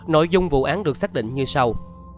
nội dung vụ án được xác định như sau